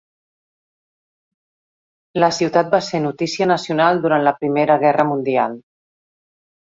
La ciutat va ser notícia nacional durant la Primera Guerra Mundial.